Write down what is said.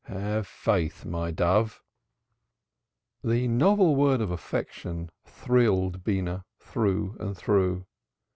Have faith, my dove." The novel word of affection thrilled Beenah through and through.